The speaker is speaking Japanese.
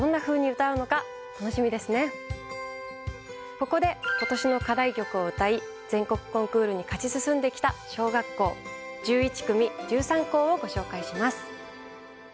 ここで今年の課題曲を歌い全国コンクールに勝ち進んできた小学校１１組１３校をご紹介します。